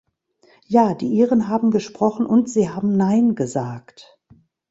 Ja, die Iren haben gesprochen, und sie haben "Nein" gesagt.